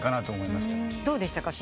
どうでしたか？